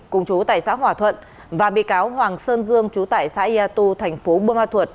cùng chú tại xã hòa thuận và bị cáo hoàng sơn dương chú tại xã yà tô thành phố bơ ma thuật